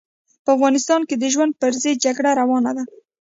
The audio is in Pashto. په افغانستان کې د ژوند پر ضد جګړه روانه ده.